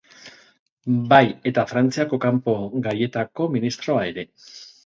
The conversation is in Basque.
Bai eta Frantziako Kanpo Gaietako ministroa ere.